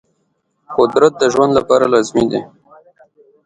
قدرت د ژوند لپاره لازمي دی.